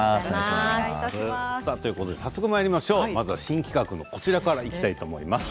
早速、新企画のこちらからいきたいと思います。